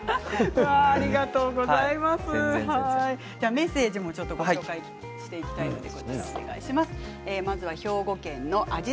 メッセージもご紹介していきます。